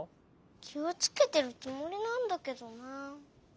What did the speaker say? きをつけてるつもりなんだけどなあ。